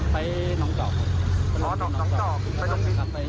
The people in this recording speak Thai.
ไปน้องจอม